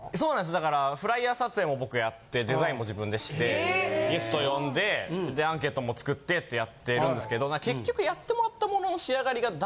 だからフライヤー撮影も僕やってデザインも自分でしてゲスト呼んでアンケートも作ってってやってるんですけど結局。